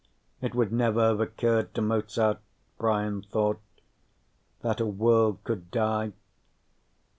It would never have occurred to Mozart, Brian thought, that a world could die.